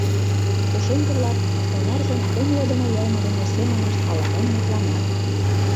Пушеҥге-влак сонарзын умылыдымо йылме дене семынышт ала-мом мутланат.